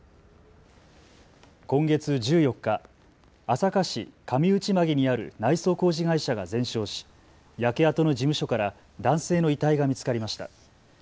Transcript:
今月１４日、朝霞市上内間木にある内装工事会社が全焼し焼け跡の事務所から男性の遺体が見つかりました。